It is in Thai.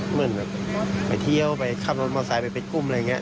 เหมือนแบบไปเที่ยวไปขับรถมอไซค์ไปกุ้มอะไรอย่างนี้